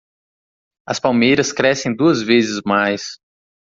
As palmeiras crescem duas vezes mais.